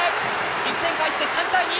１点返して３対２。